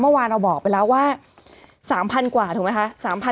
เมื่อวานเราบอกไปแล้วว่าสามพันกว่าถูกไหมคะสามพัน